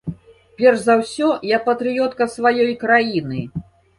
Перш за ўсё я патрыётка сваёй краіны.